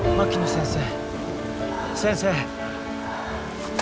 先生。